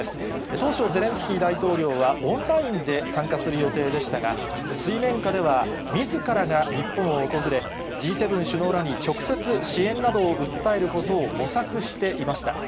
当初、ゼレンスキー大統領はオンラインで参加する予定でしたが、水面下では、みずからが日本を訪れ、Ｇ７首脳らに直接支援などを訴えることを模索していました。